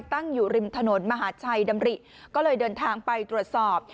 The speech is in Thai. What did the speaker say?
ตั้งอยู่ริมถนนมหาชัยดำริก็เลยเดินทางไปตรวจสอบ